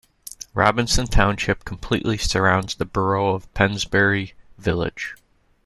Robinson Township completely surrounds the borough of Pennsbury Village.